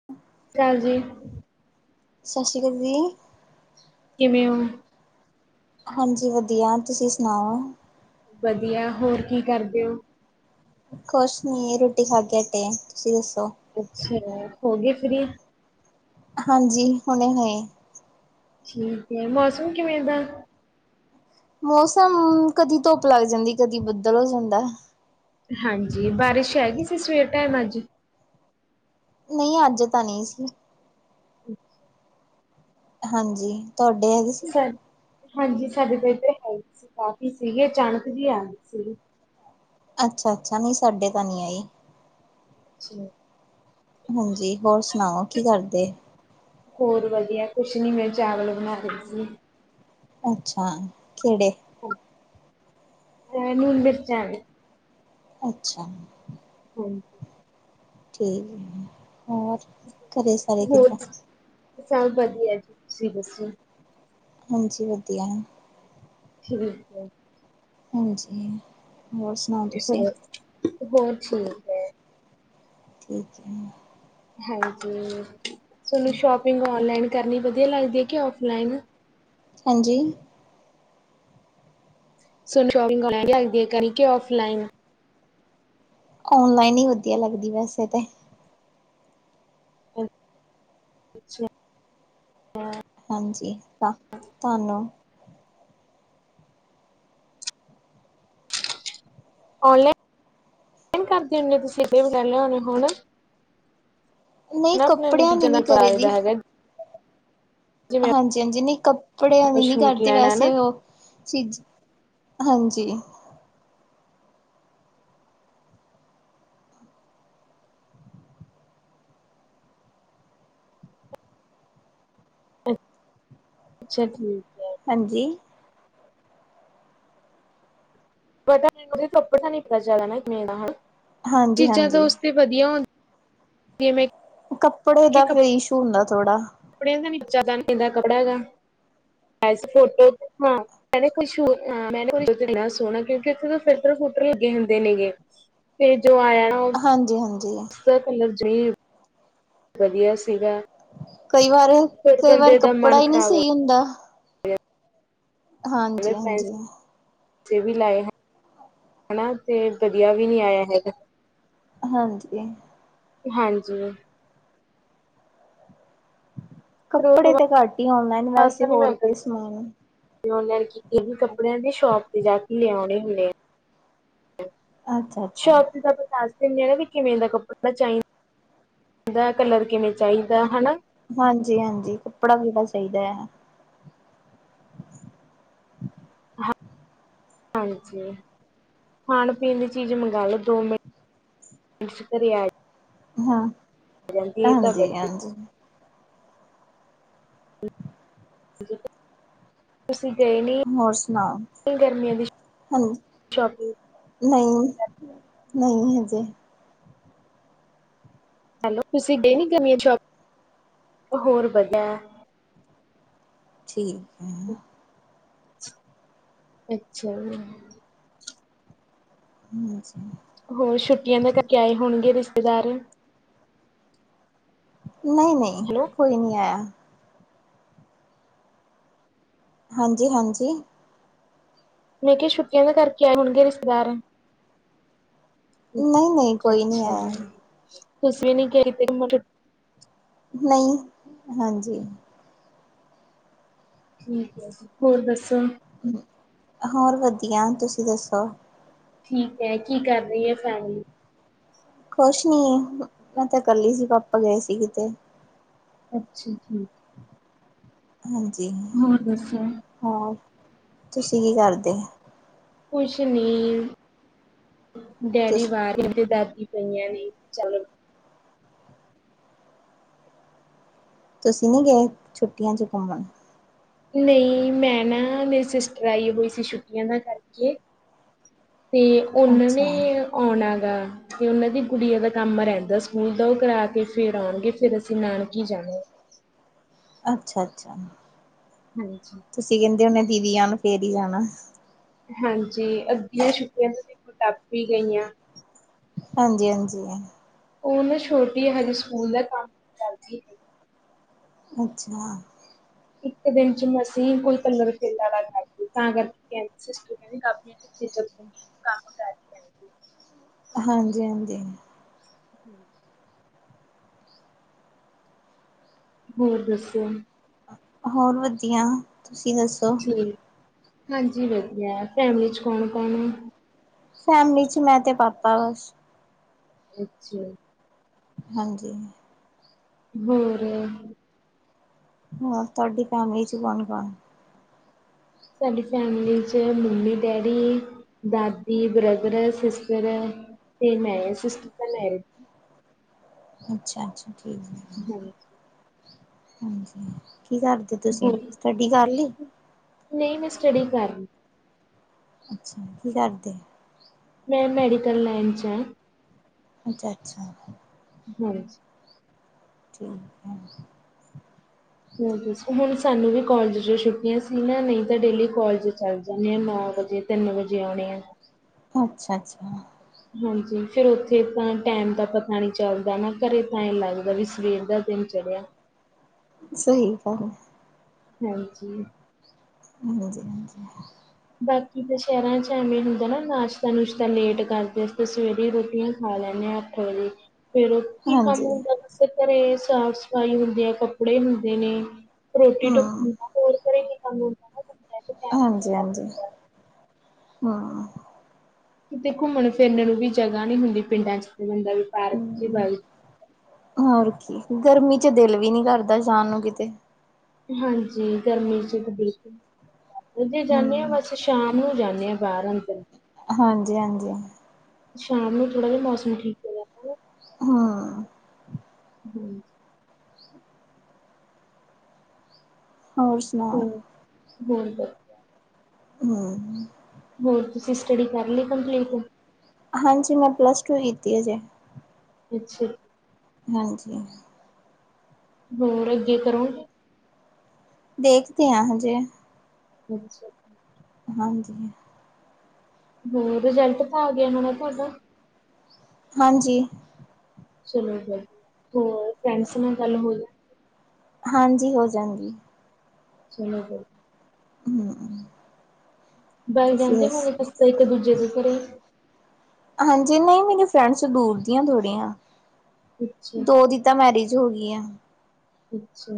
[inaudible] ਕਾਜੀ ਸਤਿ ਸ਼੍ਰੀ ਕਰਦੀ ਕਿਵੇਂ ਹੋ? ਹਾਂਜੀ ਵਧੀਆ ਤੁਸੀਂ ਸੁਣਾਓ? ਵਧੀਆ ਹੋਰ ਕੀ ਕਰਦੇ ਹੋ? ਕੁਛ ਨੀ ਰੋਟੀ ਖਾ ਕੇ ਹਟੇ ਆ ਤੁਸੀਂ ਦੱਸੋ? ਅੱਛਾ, ਹੋ ਗਏ ਫਰੀ? ਹਾਂਜੀ ਹੁਣੇ ਹੋਏ। ਠੀਕ ਐ ਮੌਸਮ ਕਿਵੇਂ ਦਾ? ਮੌਸਮ ਕਦੀ ਧੁੱਪ ਲੱਗ ਜਾਂਦੀ, ਕਦੀ ਬੱਦਲ ਹੋ ਜਾਂਦਾ। ਹਾਂਜੀ ਬਾਰਿਸ਼ ਹੈਗੀ ਸੀ, ਸਵੇਰ ਟਾਈਮ ਅੱਜ? ਨਹੀਂ ਅੱਜ ਤਾਂ ਨਹੀਂ ਸੀ। [inaudible] ਹਾਂਜੀ, ਤੁਹਾਡੇ ਹੈਗੇ ਸੀ? ਹਾਂਜੀ ਸਾਡੇ ਤੇ ਇਧਰ ਕਾਫੀ ਸੀਗੇ ਅਚਾਨਕ ਹੀ ਆ ਗਏ ਸੀ। ਅੱਛਾ -ਅੱਛਾ ਨਹੀਂ, ਸਾਡੇ ਤਾਂ ਨਹੀਂ ਆਏ ਛੇ ਹਾਂਜੀ ਹੋਰ ਸੁਣਾਓ, ਕੀ ਕਰਦੇ? ਹੋਰ ਵਧੀਆ ਕੁਛ ਨੀ, ਮੈਂ ਚਾਵਲ ਬਣਾ ਰਹੀ ਸੀ। ਅੱਛਾ ਕਿਹੜੇ? ਇਨੂੰ ਬੇਚੈਨ ਅੱਛਾ। ਹਾਏ ਠੀਕ ਐ ਹੋਰ ਘਰੇ ਸਾਰੇ ਹੋਰ ਕਿੱਦਾਂ? ਸਭ ਵਧੀਆ ਜੀ, ਤੁਸੀਂ ਦੱਸੋ? ਹਾਂਜੀ ਵਧੀਆ ਠੀਕ ਹੈ। ਹਾਂਜੀ ਮੌਸਮ ਹੋਰ ਹੋਰ ਠੀਕ ਹੈ। ਠੀਕ ਐ। ਹਾਂਜੀ, ਤੁਹਾਨੂੰ ਸ਼ੋਪਿੰਗ ਔਨਲਾਈਨ ਕਰਨੀ ਵਧੀਆ ਲੱਗਦੀ ਐ ਕਿ ਔਫਲਾਈਨ। ਹਾਂਜੀ। ਸਾਨੂੰ ਸ਼ੋਪਿੰਗ ਔਨਲਾਈਨ ਵਧੀਆ ਲੱਗਦੀ ਐ ਜਾ ਔਫਲਾਈਨ? ਔਨਲਾਈਨ ਈ ਵਧੀਆ ਲੱਗਦੀ ਵੈਸੇ ਤੇ। ਅੱਛਾ ਹਾਂ। ਹਾਂਜੀ ਤਾਂ, ਤੁਹਾਨੂੰ? ਔਲਾਈਨ, ਕਰਦੇ ਹੁੰਨੇ ਔ ਤੁਸੀਂ [unintelligible] ਨਹੀਂ ਹਨਾ ਆਪਣਾ ਕੱਪੜਿਆਂ ਦੀ ਨੀਜਾਂ [unintelligible] ਨੀ ਕਰੀ ਦੀ ਹੈਗਾ। ਜਿਵੇਂ ਹਾਂਜੀ-ਹਾਂਜੀ ਨਈ ਕੱਪੜਿਆਂ ਆਪਾਂ ਦੀ ਨੀ ਸ਼ੂਟ ਕਰਦੀ ਲੈਣਾ ਨਾ ਵੈਸੇ ਉਹ, ਚੀਜ਼ ਹਾਂਜੀ। ਅੱਛਾ ਠੀਕ। ਹੈ, ਹਾਂਜੀ। ਬਟ ਉਹਦੇ ਤੋਂਥੋੱ ਤਾਂ ਨੀ ਪਤਾ ਚੱਲਦਾ ਨਾ ਇੱਕ ਮੇ ਦਾ ਹੁਣ ਹਾਂਜੀ ਚੀਜ਼ਾਂ ਤਾਂ ਹਾਂਜੀ ਉਸ ਤੇ ਵਧੀਆ। ਮੈਂ ਕੱਪੜੇ ਕਿ ਦਾ ਕੋਈ ਇਸ਼ੂ ਹੁੰਦਾ ਥੋੜਾ। ਕੱਪੜਿਆਂ ਦਾ [unintelligible] ਕੱਪੜਿਆ ਦਾ, ਹੈਗਾ ਫੋਟੋ ਹਾਂ। [unintelligible] ਸੋਹਣਾ ਕਿਉਂਕਿ ਉੱਥੇ ਫਿਲਟਰ ਫੁਲਟਰ ਲੱਗੇ ਹੁੰਦੇ ਨੇ ਗੇ। ਵੇਜੋ ਆਇਆ। ਹਾਂਜੀ-ਹਾਂਜੀ। [inaudible] ਵਧੀਆ ਸੀਗਾ। ਕਈ ਵਾਰ ਫਿਰ ਕਈ ਵਾਰ ਬੰਦੇ ਦਾ ਕੱਪੜਾ ਮਨ ਈ ਨੀ ਖ਼ਰਾਬ ਹੋ ਸਈ ਹੁੰਦਾ। ਹਾਂਜੀ-ਹਾਂਜੀ। ਉੱਥੇ ਵੀ ਲਾਏ ਹਨਾ, ਤੇ ਵਧੀਆ ਵੀ ਨੀ ਆਇਆ ਹੈਗਾ। ਹਾਂਜੀ। ਹਾਂਜੀ। ਫਿਰ ਉਹ ਤੋਂ ਕੱਪੜੇ ਤੇ ਘੱਟ ਈ ਔਨਲਾਈਨ ਵੈਸੇ ਹੋਰ ਕੋਈ ਸਮਾਨ ਤੇ ਉਹਨਾਂ ਨੇ ਕਿਤੇ ਵੀ ਕੱਪੜਿਆਂ ਦੇ ਸ਼ੋਪ ਤੇ ਜਾ ਕੇ ਲਿਆਉਣੇ ਹੁੰਦੇ ਆ। ਅੱਛਾ। ਅੱਛਾ ਸ਼ੋਪ ਤੇ ਤਾ ਪਤਾਸ ਦਨੇ ਵੀ ਕਿਵੇਂ ਦਾ ਕੱਪੜਾ ਚਾਹੀਦਾ, ਦਾ ਕਲਰ ਕਿਵੇਂ ਚਾਹੀਦਾ ਹਨਾ। ਹਾਂਜੀ-ਹਾਂਜੀ ਕੱਪੜਾ ਵੀੜਾ ਚਾਹੀਦਾ ਐ। ਹਾਂਜੀ ਖਾਣ ਪੀਣ ਦੀ ਚੀਜ਼ ਮੰਗ ਲੋ ਦੋ ਮਿੰਟ। [inaudible] ਹਾਂ, ਜਾਂਦੀ ਹੈ ਇਹ ਤਾਂ ਵਧੀਆ ਹਾਂਜੀ-ਹਾਂਜੀ। [inaudible] ਤੁਸੀਂ ਗਏ ਨੀ, ਹੋਰ ਸੁਣਾਓ ਗਰਮੀਆਂ ਦੀ ਸ਼ੋਪਿੰਗ ਨਈ-ਨਈ ਹਜੇ। ਹੈਲੋ ਤੁਸੀਂ ਗਏ ਨੀ ਗਰਮੀਆਂ ਦੀ ਸੋਪਿਗ, ਹੋਰ ਵਧੀਆ। ਠੀਕ ਐ। ਅੱਛਾ ਜੀ। ਹਾਂਜੀ। ਹੋਰ ਛੁੱਟੀਆਂ ਦਾ ਕਿਆ ਈ ਹੋਣਗੇ ਰਿਸ਼ਤੇਦਾਰ। ਨਈ-ਨਈ ਹੈਲੋ ਕੋਈ ਨੀ ਆਇਆ। ਹਾਂਜੀ-ਹਾਂਜੀ। ਮੈਂ ਕਿਹਾ ਛੁੱਟੀਆਂ ਦੇ ਕਰਕੇ ਆਏ ਹੋਣਗੇ ਰਿਸ਼ਤੇਦਾਰ। ਨ‌ਈ-ਨ‌ਈ ਕੋਈ ਨੀ ਐ। ਤੁਸੀ ਵੀ [unintelligible] ਨ‌ਈ, ਹਾਂਜੀ। ਠੀਕ ਐ ਜੀ, ਹੋਰ ਦੱਸੋ? ਹੋਰ ਵਧੀਆ, ਤੁਸੀਂ ਦੱਸੋ? ਠੀਕ ਐ, ਕੀ ਕਰ ਰੀ ਐ ਫੈਮਲੀ? ਕੁਛ ਨੀ, ਮੈਂ ਤਾਂ ਕੱਲੀ ਸੀ ਪਾਪਾ ਗਏ ਸੀ ਕਿਤੇ। ਅੱਛਾ ਠੀਕ ਹਾਂਜੀ। ਹੋਰ ਦੱਸੋ? ਹੋਰ, ਤੁਸੀਂ ਕੀ ਕਰਦੇ? ਕੁਛ ਨੀ, ਤੁ ਡੈਡੀ ਬਾਹਰ ਗਏ ਤੇ ਦਾਦੀ ਪਈਆ ਨੇ ਚੱਲ। ਤੁਸੀਂ ਨੀ ਗਏ, ਛੁੱਟੀਆਂ ਚ ਘੁੰਮਣ? ਨ‌ਈ ਮੈਂ ਨਾ ਮੇਰੀ ਸਿਸਟਰ ਆਈ ਹੋਈ ਸੀ ਛੁੱਟੀਆਂ ਦਾ ਕਰਕੇ ਤੇ ਓਨਾਂ ਅੱਛਾ ਨੇ ਆਉਣਾ ਗਾ, ਤੇ ਓਨਾਂ ਦੀ ਗੁੜੀਆਂ ਦਾ ਕੰਮ ਰਹਿੰਦਾ ਸਕੂਲ ਦਾ ਓ ਕਰਾ ਕੇ ਫ ਫੇਰ ਆਣਗੇ ਫੇਰ ਅਸੀਂ ਨਾਨਕੀ ਜਾਣਾ। ਅੱਛਾ-ਅੱਛਾ। ਹਾਂਜੀ। ਤੁਸੀਂ ਕਹਿੰਦੇ ‌ਓ ਮੈਂ ਦੀਦੀ ਆਣ ਫੇਰ ਈ ਜਾਣਾ। ਹਾਂਜੀ ਅੱਧੀਆ ਛੁੱਟੀਆਂ ਤਾਂ ਦੇਖੋ ਟੱਪ ਈ ਗਈਆ। ਹਾਂਜੀ-ਹਾਂਜੀ। ਓ ਨਾ ਛੋਟੀ ਆ ਹਲੇ ਸਕੂਲ ਦਾ ਕੰਮ ਕਰਦੀ ਨੀ। ਅੱਛਾ। ਇੱਕ ਦਿਨ ਚ ਮਸੀ ਕੋਈ ਕਲਰ ਫਿਲ ਕਰਦੀ ਤਾਂ ਕਰਕੇ ਕਹਿ ਸਿਸਟਰ ਕਹਿੰਦੀ ਕਾਫੀ ਚੱਲ ਹਾਂਜੀ-ਹਾਂਜੀ। ਹੂੰ। ਹੋਰ ਦੱਸੋ? ਹੋਰ ਵਧੀਆ, ਤੁਸੀਂ ਦੱਸੋ? ਠੀਕ ਹਾਂਜੀ ਵਧੀਆ, ਫੈਮਲੀ ਚ ਕੌਣ-ਕੌਣ ਨੇ? ਫੈਮਿਲੀ ਚ ਮੈਂ ਤੇ ਪਾਪਾ ਬਸ। ਅੱਛਾ। ਹਾਂਜੀ। ਹੋਰ? ਹੋਰ ਤੁਹਾਡੀ ਫੈਮਿਲੀ ਚ ਕੌਣ-ਕੌਣ? ਸਾਡੀ ਫੈਮਿਲੀ ਚ ਮੰਮੀ-ਡੈਡੀ ਦਾਦੀ, ਬਰਦਰ, ਸਿਸਟਰ ਤੇ ਮੈਂ ਆ, ਸਿਸਟਰ ਤਾਂ ਮੈਰੀਡ ਅੱਛਾ-ਅੱਛਾ, ਠੀਕ ਐ। ਹੂੰ। ਹਾਂਜੀ, ਕੀ ਕਰਦੇ ਤੁਸੀਂ ਸਟੱਡੀ ਕਰਲੀ? ਨ‌ਈ ਮੈਂ ਸਟੱਡੀ ਕਰ ਅੱਛਾ, ਕੀ ਕਰਦੇ? ਮੈਂ ਮੈਡੀਕਲ ਲਾਈਨ ਚ ਆ। ਅੱਛਾ-ਅੱਛਾ। ਹਾਂਜੀ। ਠੀਕ ਐ। ਹੋਰ ਦੱਸੋ ਹੁਣ ਸਾਨੂੰ ਵੀ ਕੋਲਜ 'ਚ ਛੁੱਟੀਆਂ ਸੀ ਨਾ ਨਈ ਤਾਂ ਡੇਲੀ ਕੋਲਜ ਚੱਲ ਜਾਣੇ ਆ ਨੌ ਵਜੇ ਤਿੰਨ ਵਜੇ ਆਉਣੇ ਆ। ਅੱਛਾ ਜੀ। ਹਾਂਜੀ ਫੇਰ ਉੱਥੇ ਤਾਂ ਟੈਮ ਦਾ ਪਤਾ ਨੀ ਚੱਲਦਾ ਨਾ ਘਰੇ ਤਾਂ ਐਂ ਲੱਗਦਾ ਵੀ ਸਵੇਰ ਦਾ ਦਿਨ ਚੜਿਆ। ਸਹੀ ਗੱਲ। ਹਾਂਜੀ। ਹਾਂਜੀ-ਹਾਂਜੀ [unintelligible] ਬਾਕੀ ਤਾਂ ਸ਼ਹਿਰਾਂ 'ਚ ਐਵੇਂ ਹੁੰਦਾ ਨਾ ਨਾਸ਼ਤਾ-ਨੁਸਤਾ ਲੇਟ ਕਰਦੇ ਆ ਅਸੀਂ ਤਾਂ ਸਵੇਰੇ ਰੋਟੀਆਂ ਖਾ ਲੈਣੇ ਹਾਂ ਅੱਠ ਵਜੇ ਫੇਰ ਕੀ ਕੰਮ ਹਾਂਜੀ ਹੁੰਦਾ ਵੈਸੇ ਘਰੇ ਸਾਫ਼-ਸਫ਼ਾਈ ਹੁੰਦੀ ਹੈ, ਕੱਪੜੇ ਹੁੰਦੇ ਨੇ ਰੋਟੀ- ਟੁਕ ਹਮ ਹੁੰਦਾ ਹੋਰ ਘਰੇ ਕੀ ਕੰਮ ਨਾ ਬੰਦਾ ਇੱਕ ਟਾਈਮ ਨਾਲ ਹੀ ਕਰ ਹਾਂਜੀ-ਹਾਂਜੀ, ਲੈਂਦਾ ਹੂੰ ਕਿਤੇ ਘੁੰਮਣ- ਫਿਰਨ ਨੂੰ ਵੀ ਜਗ੍ਹਾ ਨੀ ਹੁੰਦੀ ਪਿੰਡਾਂ 'ਚ ਬੰਦਾ ਵੀ ਪਾਰਕ 'ਚ ਹੀ ਹੂੰ, ਵਗ ਹੋਰ ਕੀ ਗਰਮੀ 'ਚ ਦਿਲ ਵੀ ਨੀ ਕਰਦਾ ਜਾਣ ਨੂੰ ਕਿਤੇ ਹਾਂਜੀ! ਗਰਮੀ 'ਚ ਬਕੁਲ ਜੇ ਹੂੰ। ਜਾਣੇ ਆ ਬਸ ਸ਼ਾਮ ਨੂੰ ਜਾਣੇ ਆ ਬਾਰ- ਅੰਦਰ। ਹਾਂਜੀ-ਹਾਂਜੀ ਸ਼ਾਮ ਨੂੰ ਥੋੜਾ ਜਿਹਾ ਮੌਸਮ ਠੀਕ ਜਾਂਦਾ ਨਾ ਹਾਂ ਹਾਂਜੀ ਹੋਰ ਸੁਣਾ ਹੋਰ ਹੋਰ ਦੱਸ ਹੂੰ ਹੋਰ ਤੁਸੀਂ ਸਟੱਡੀ ਕਰ ਲਈ ਕੰਪਲੀਟ? ਹਾਂਜੀ! ਮੈਂ ਪਲੱਸ ਟੂ ਕੀਤੀ ਆ ਹਜੇ ਅੱਛਾ ਹਾਂਜੀ ਹੋਰ ਅੱਗੇ ਕਰੋਗੇ ਦੇਖਦੇ ਹਾਂ ਹਜੇ ਅੱਛਾ ਹਾਂਜੀ ਹੋਰ ਰਿਜਲਟ ਤਾਂ ਆ ਗਿਆ ਹੋਣਾ ਤੁਹਾਡਾ ਹਾਂਜੀ ਚਲੋ ਹੋਰ ਫੈਂਡਸ ਨਾਲ ਗੱਲ ਹੋ ਹਾਂਜੀ ਹੋ ਜਾਂਦੀ ਆ ਚਲੋ ਵ ਹੂੰ ਵਗ ਤੁਸੀਂ ਜਾਂਦੇ ਹੋਣੇ ਦੱਸੋ? ਤੁਸੀਂ ਤਾਂ ਇੱਕ-ਦੂਜੇ ਦੇ ਘਰੇ ਹਾਂਜੀ ਨਈ ਮੇਰੀ ਫਰੈਂਡਸ ਦੂਰ ਦੀਆਂ ਥੋੜੀਆਂ ਅੱਛਾ ਜੀ ਦੋ ਦੀ ਤਾਂ ਮੈਰਿਜ ਹੋ ਗਈ ਆ ਅੱਛਾ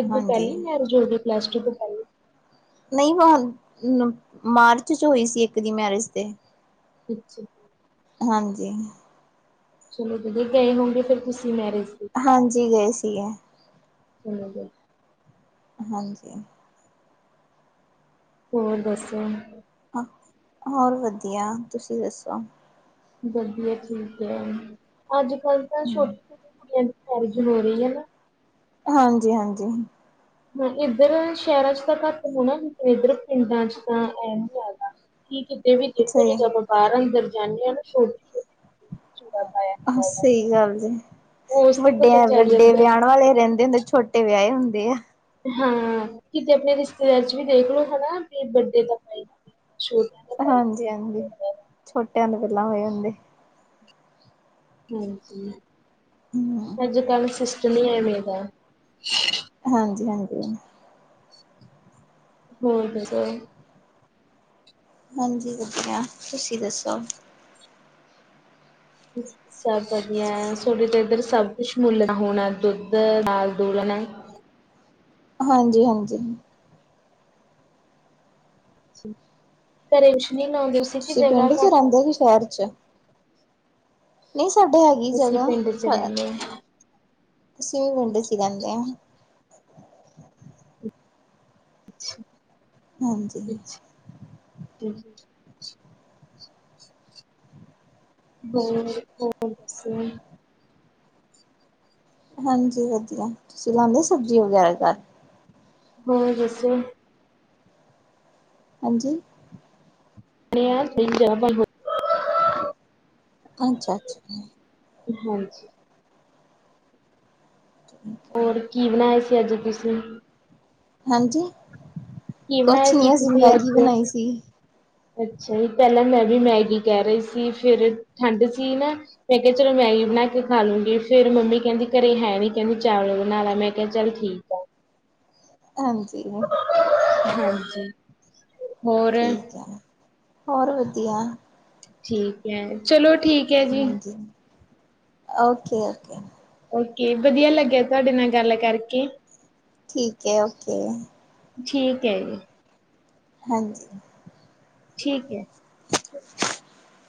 ਏਦੂ ਹਾਂਜੀ ਪਹਿਲਾ ਮੈਰਿਜ ਹੋ ਗਈ ਕਲਾਸ ਟੂ ਤੋਂ ਪਹਿਲਾਂ। ਨਹੀਂ ਮਾਰਚ ਚ ਹੋਈ ਸੀ ਇੱਕ ਦੀ ਮੈਰਿਜ ਤੇ ਅੱਛਾ ਜੀ ਹਾਂਜੀ ਚਲੋ ਜੇ ਗਏ ਹੋਗੇ ਫੇਰ ਤੁਸੀਂ ਮੈਰਿਜ ਦੇ ਹਾਂਜੀ ਗਏ ਸੀਗੇ ਚ [unintelligible] ਹਾਂਜੀ [unintelligible] ਹੋਰ ਦੱਸ ਹੋਰ ਵਧੀਆ ਤੁਸੀਂ ਦੱਸੋ ਵਧੀਆ ਜੀ ਵਧੀਆ ਹੈ ਅੱਜ ਕੱਲ ਤਾਂ ਛੋਟੇ ਛੋਟੇ ਕੁੜੀਆਂ ਦੀ ਮੈਰਿਜ ਹੋ ਰਹੀ ਹੈ ਨਾ ਹਾਂਜੀ ਹਾਂਜੀ ਹ ਇੱਧਰ ਸ਼ਹਿਰਾਂ ਚ ਤਾਂ ਘੱਟ ਹੋਣਾ ਲੇਕਿਨ ਇੱਧਰ ਪਿੰਡਾਂ ਚ ਤਾਂ ਐ ਨ ਜਾਦਾ ਕੀ ਕਿਤੇ ਵੀ ਦੇਖੋ ਸਹੀ। ਜਦੋਂ ਆਪਾਂ ਬਾਹਰ ਅੰਦਰ ਜਾਂਦੇ ਹਾਂ ਨਾ ਛੋਟੀ ਛੋਟੀ ਸਹੀ ਗੱਲ ਜੀ ਉਸ ਤੋਂ ਪਤਾ ਵਡਿਆ ਚੱਲ ਵੱਡੇ ਜਾਂਦਾ। ਵਿਆਣ ਵਾਲੇ ਰਹਿੰਦੇ ਹੁੰਦੇ ਛੋਟੇ ਵਿਆਏ ਹੁੰਦੇ ਆ ਹਾਂ ਕਿਤੇ ਆਪਣੇ ਰਿਸ਼ਤੇਦਾਰ ਚ ਵੀ ਦੇਖਲੋ, ਹਨਾ ਵੀ ਬੱਡੇ ਤਾਂ ਛੋ। ਹਾਂਜੀ, ਛੋਟਿਆਂ ਦੇ ਪੈਲਾਂ ਹੋਏ ਹੁੰਦੇ। ਹਾਂਜੀ, ਹੂੰ, ਅੱਜ ਕਲ ਸਿਸਟਮ ਹੀ ਐਵੇਂ ਦਾ। ਹਾਂਜੀ -ਹਾਂਜੀ। ਹੋਰ ਦਸੋ ਹਾਂਜੀ, ਵਧੀਆ ਤੁਸੀਂ ਦੱਸੋ। ਹਮ। ਸਭ ਵਧੀਆ ਸੋਡੇ ਤਾਂ ਇੱਧਰ, ਸਭ ਕੁਛ ਮੁੱਲ ਹੋਣਾ ਦੁੱਧ ਦਾਲ ਦੁਲਣਾ। ਹਾਂਜੀ- ਹਾਂਜੀ। ਘਰੇ ਸ਼ਨੀ ਨ ਤੁਸੀ ਕੇ ਤੁਸੀਂ ਜਗ੍ਹਾ ਪਿੰਡ 'ਚ ਘੱਟ ਹੈ। ਰਹਿੰਦੇ ਕਿ ਸ਼ਹਿਰ ਚ ਨਹੀਂ, ਸਾਡੇ ਹੈਗੀ ਅਸੀਂ ਜਗ੍ਹਾ। ਪਿੰਡ ਚ ਰਹਿੰਦੇ ਹਾਂ। ਅਸੀਂ ਵੀ ਪਿੰਡ ਚ ਰਹਿੰਦੇ ਹਾਂ। ਅੱਛਾ। ਹਾਂਜੀ। ਹਮ। ਹੋ -ਹੋ ਬੱਸ। ਹਾਂਜੀ ਵਧੀਆ ਤੁਸੀਂ ਲਾਉਦੇ, ਸਬਜ਼ੀ ਵਗੈਰਾ ਘ। ਹੋ ਦੱਸ। ਹਾਂਜੀ। ਸਹੀਦੇ ਬਾਈ। [unintelligible] ਅੱਛਾ -ਅੱਛਾ। ਹਾਂਜੀ। ਠੀਕ ਹੈ। ਹੋਰ ਕੀ ਬਣਾਏ ਸੀ, ਅੱਜ ਤੁਸੀਂ। ਕੀ ਹਾਂਜੀ ਕੁਛ ਬਣਾਇਆ ਸੀ ਨੀ, ਅਸੀਂ ਤੁਸੀਂ ਮੈਗੀ ਅੱਜ ਬਣਾਈ ਸੀ। ਅੱਛਾ ਜੀ ਪੈਲਾਂ ਮੈਂ ਵੀ ਮੈਗੀ ਕਹਿ ਰਹੀ ਸੀ, ਫੇਰ ਠੰਡ ਸੀ ਨਾ। ਮੈਂ ਕਿਹਾ ਚਲੋ ਮੈਗੀ ਬਣਾ ਕੇ ਖਾ ਲੂੰਗੀ, ਫੇਰ ਮੰਮੀ ਕਹਿੰਦੀ ਘਰੇ ਹੈ ਨੀ ਕਹਿੰਦੀ ਚਾਵਲ ਬਣਾ ਲਾ ਮੈਂ। ਕਿਹਾ ਚੱਲ ਠੀਕ ਆ। ਹਾਂਜੀ। ਹਾਂਜੀ। ਹੋਰ ਠੀਕ ਹੈ ਹੋਰ ਵਧੀਆ। ਠੀਕ ਐ। ਚਲੋ ਠੀਕ ਹੈ ਜੀ ਹਾਂਜੀ। ਓਕੇ-ਓਕੇ। ਓਕੇ। ਵਧੀਆ ਲੱਗਿਆ, ਤੁਹਾਡੇ ਨਾਲ ਗੱਲ ਕਰਕੇ। ਠੀਕ ਐ। ਓਕੇ। ਠੀਕ ਹੈ ਜੀ। ਹਾਂਜੀ। ਠੀਕ ਏ। [unintelligible]